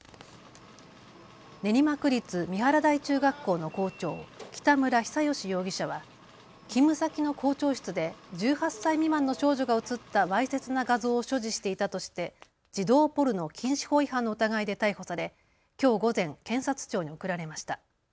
練馬区立三原台中学校の校長、北村比左嘉容疑者は勤務先の校長室で１８歳未満の少女が写ったわいせつな画像を所持していたとして児童ポルノ禁止法違反の疑いで逮捕されきょう午前、検察庁に送られました。